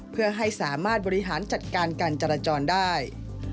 เพื่อให้สามารถบริหารจัดการการจราจรได้